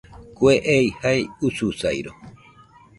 Kue ei jae ususairo